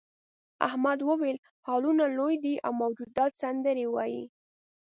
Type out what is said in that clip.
احمد وویل هالونه لوی دي او موجودات سندرې وايي.